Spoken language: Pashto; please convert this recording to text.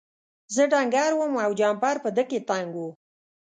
زه ډنګر وم او جمپر په ده کې تنګ و.